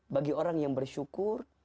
bagi orang yang bersyukur